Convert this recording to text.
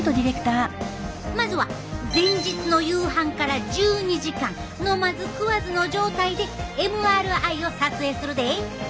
まずは前日の夕飯から１２時間飲まず食わずの状態でＭＲＩを撮影するで。